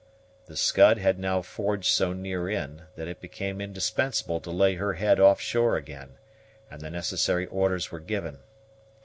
The Scud had now forged so near in, that it became indispensable to lay her head off shore again, and the necessary orders were given.